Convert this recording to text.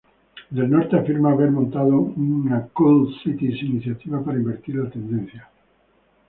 Del norte afirma haber montado una "Cool Cities" iniciativa para invertir la tendencia.